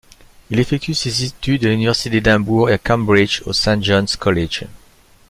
Il effectue ses études à l'Université d'Édimbourg et à Cambridge au St John's College.